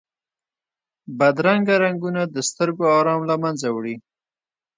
بدرنګه رنګونه د سترګو آرام له منځه وړي